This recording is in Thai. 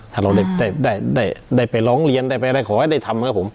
ถ้าเราได้ไปร้องเรียนได้ไปอะไรขอให้ได้ทำครับผม